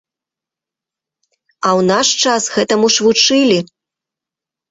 А ў наш час гэтаму ж вучылі.